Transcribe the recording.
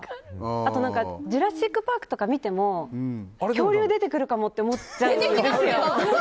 あと「ジュラシックパーク」とか見ても恐竜出てくるかもって思っちゃうんですよ。